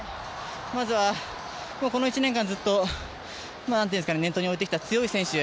まずはこの１年間ずっと念頭に置いてきた強い選手